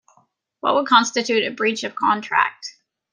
What would constitute a breach of contract?